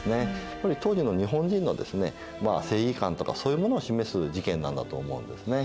やっぱり当時の日本人の正義感とかそういうものを示す事件なんだと思うんですね。